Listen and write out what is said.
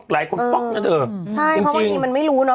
หลายคนป๊อกนะเถอะใช่เพราะวันนี้มันไม่รู้เนอะ